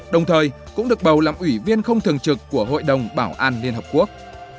đồng thời cũng được bầu làm ủy viên không thường trực của hội đồng bảo an liên hợp quốc